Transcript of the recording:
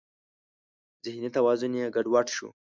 ذهني توازن یې ګډ وډ شو.